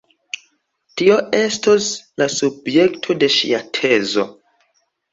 Tio estos la subjekto de ŝia tezo...